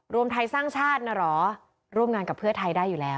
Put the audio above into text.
รวมไทยสร้างชาตินะเหรอร่วมงานกับเพื่อไทยได้อยู่แล้ว